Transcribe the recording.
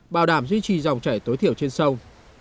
bảo đảm duy trì dòng chảy tối thiểu trên sông